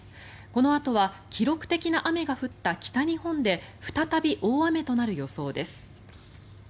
このあとは記録的な雨が降った北日本で再び大雨となる予想です。